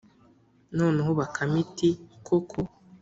noneho bakame iti: ‘koko.’